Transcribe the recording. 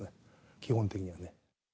基本的にはね。